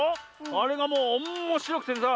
あれがもうおんもしろくてさ